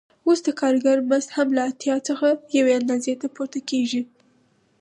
اوس د کارګر مزد هم له اتیا څخه یوې اندازې ته پورته کېږي